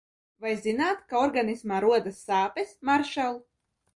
Vai zināt, kā organismā rodas sāpes, maršal?